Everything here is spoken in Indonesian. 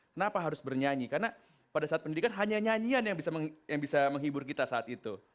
kenapa harus bernyanyi karena pada saat pendidikan hanya nyanyian yang bisa menghibur kita saat itu